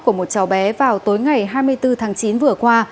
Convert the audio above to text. của một cháu bé vào tối ngày hai mươi bốn tháng chín vừa qua